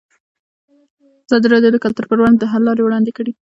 ازادي راډیو د کلتور پر وړاندې د حل لارې وړاندې کړي.